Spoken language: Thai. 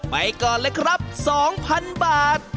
ไปก่อนเลยครับ๒๐๐๐บาท